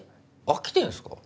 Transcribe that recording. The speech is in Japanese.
飽きてんすか？